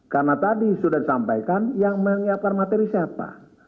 karena tadi sudah disampaikan yang menyiapkan materi siapa